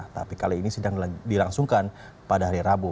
tapi kali ini sidang dilangsungkan pada hari rabu